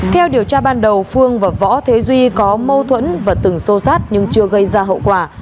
theo điều tra ban đầu phương và võ thế duy có mâu thuẫn và từng xô sát nhưng chưa gây ra hậu quả